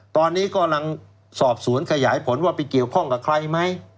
ตอนนี้กำลังสอบสวนขยายผลว่าไปเกี่ยวข้องกับใครไหม